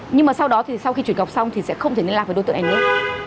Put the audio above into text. nhưng mà sau đó thì sau khi chuyển cọc xong thì sẽ không thể liên lạc với đối tượng anh nữa